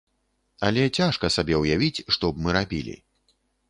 Але цяжка сабе ўявіць, што б мы рабілі.